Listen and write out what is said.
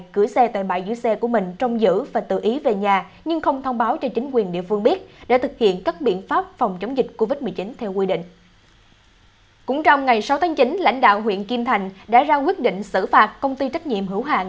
cũng trong ngày sáu tháng chín lãnh đạo huyện kim thành đã ra quyết định xử phạt công ty trách nhiệm hữu hạng